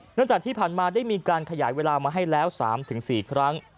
จากที่ผ่านมาได้มีการขยายเวลามาให้แล้ว๓๔ครั้ง